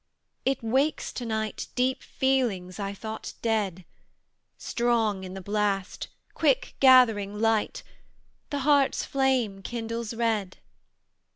it wakes to night Deep feelings I thought dead; Strong in the blast quick gathering light The heart's flame kindles red.